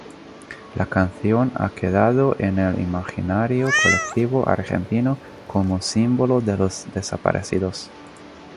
La canción ha quedado en el imaginario colectivo argentino como símbolo de los desaparecidos.